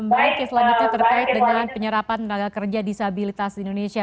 baik yang selanjutnya terkait dengan penyerapan tenaga kerja disabilitas di indonesia